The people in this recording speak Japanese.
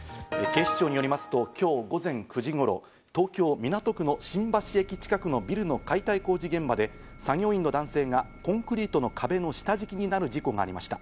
警視庁によりますと今日午前９時頃、東京・港区の新橋駅近くのビルの解体工事現場で、作業員の男性がコンクリートの壁の下敷きになる事故がありました。